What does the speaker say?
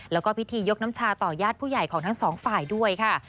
แล้วก็พิธียกน้ำชาต่อญาติผู้ใหญ่ของทั้งสองฝ่ายด้วยค่ะ